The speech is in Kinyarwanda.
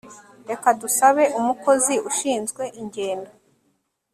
Reka dusabe umukozi ushinzwe ingendo